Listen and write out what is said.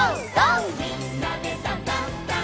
「みんなでダンダンダン」